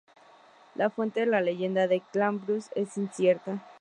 La fuente de la leyenda de Gambrinus es incierta.